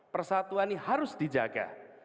persatuan ini harus dijaga